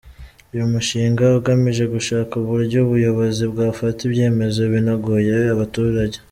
Uyu mushinga ugamije gushaka uburyo ubuyobozi bwafata ibyemezo binogeye abaturage.